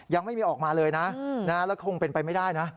ยังไม่มีออกมาเลยนะแล้วคงเป็นไปไม่ได้นะ